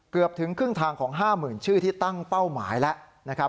เกือบถึงครึ่งทางของ๕หมื่นชื่อที่ตั้งเป้าหมายแล้ว